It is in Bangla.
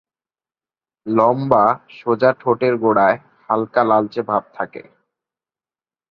লম্বা সোজা ঠোঁটের গোড়ায় হালকা লালচে ভাব থাকে।